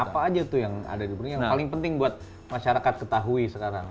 apa aja tuh yang paling penting buat masyarakat ketahui sekarang